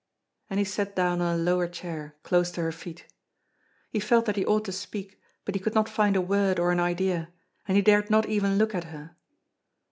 And he sat down on a lower chair, close to her feet. He felt that he ought to speak, but he could not find a word or an idea, and he dared not even look at her.